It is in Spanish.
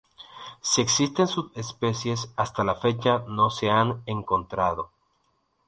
Si existen subespecies, hasta la fecha no se han encontrado.